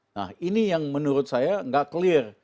nah ini yang menurut saya nggak clear